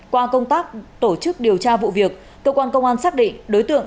qua công tác tổ chức điều tra vụ việc cơ quan công an xác định